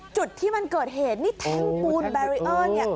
จุดที่มันเกิดเหตุนี่แท่งปูนแบรีเออร์เนี่ย